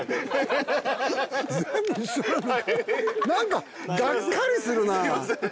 何かがっかりするな。